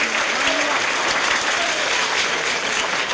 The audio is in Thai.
จัดสารรัฐบุรุษ